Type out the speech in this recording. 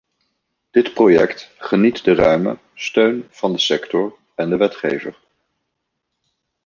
Dit project geniet de ruime steun van de sector en de wetgever.